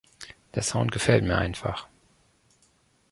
Der Sound gefällt mir einfach.